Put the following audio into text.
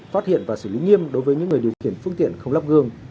phát hiện và xử lý nghiêm đối với những người điều khiển phương tiện không lắp gương